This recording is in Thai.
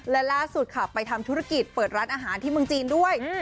และล่าสุดค่ะไปทำธุรกิจเปิดร้านอาหารที่เมืองจีนด้วย